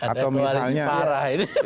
ada yang koalisi parah ini